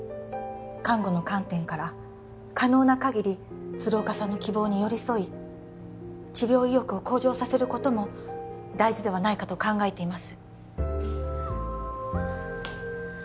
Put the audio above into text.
看護の観点から可能な限り鶴岡さんの希望に寄り添い治療意欲を向上させることも大事ではないかと考えています